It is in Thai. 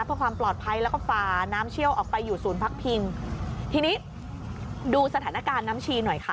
เพื่อความปลอดภัยแล้วก็ฝาน้ำเชี่ยวออกไปอยู่ศูนย์พักพิงทีนี้ดูสถานการณ์น้ำชีหน่อยค่ะ